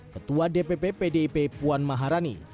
ketua dpp pdip puan maharani